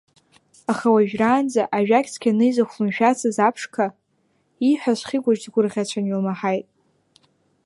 Аха уажәраанӡа ажәак цқьаны изыхәлымшәацыз аԥшқа, ииҳәаз Хьыкәыҷ дгәырӷьацәан илмаҳаит.